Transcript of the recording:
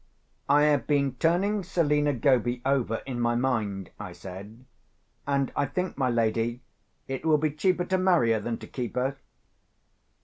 "I have been turning Selina Goby over in my mind," I said, "and I think, my lady, it will be cheaper to marry her than to keep her."